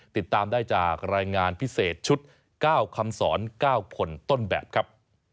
ติดตามได้จากรายงานพิเศษชุด๙คำสอน๙คนต้นแบบครับ